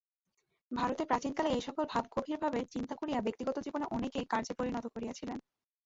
ভারতে প্রাচীনকালে এই-সকল ভাব গভীরভাবে চিন্তা করিয়া ব্যক্তিগত জীবনে অনেকে কার্যে পরিণত করিয়াছিলেন।